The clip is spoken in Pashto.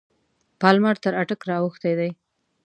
پالمر تر اټک را اوښتی دی.